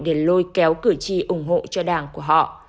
để lôi kéo cử tri ủng hộ cho đảng của họ